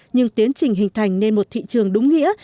nhưng tiến trình hình thành nên một thị trường đúng nghĩa